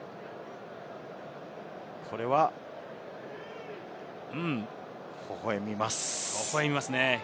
これは微笑みます。